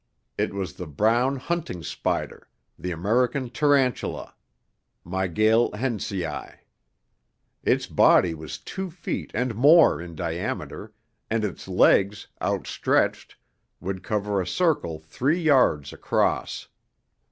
It was the brown hunting spider, the American tarantula (Mygale Hentzii). Its body was two feet and more in diameter, and its legs, outstretched, would cover a circle three yards across.